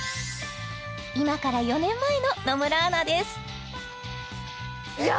今から４年前の野村アナですいや